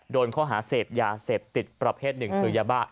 โดนข้อหาเสพยาเสพติดประเภทหนึ่งคือยาบ้า